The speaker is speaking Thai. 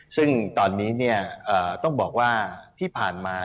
ซึ่งตอนนี้ต้องบอกว่าที่ผ่านมา